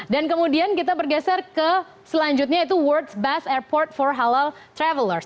dan kemudian kita bergeser ke selanjutnya yaitu world's best airport for halal travelers